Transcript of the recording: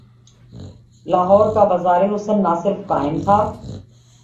لاہور کا بازار حسن نہ صرف قائم تھا۔